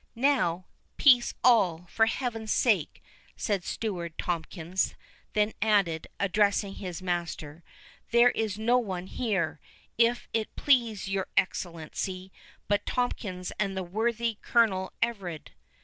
"Now, peace all, for Heaven's sake,"—said the steward Tomkins; then added, addressing his master, "there is no one here, if it please your Excellency, but Tomkins and the worthy Colonel Everard."